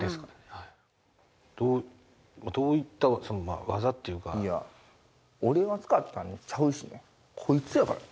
はいどうどういったその技っていうかいや俺が使ったんちゃうしねこいつやからね